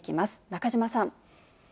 中島さん。